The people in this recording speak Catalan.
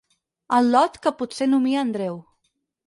Al·lot que potser nomia Andreu.